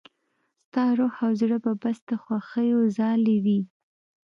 ستا روح او زړه به بس د خوښيو ځالې وي.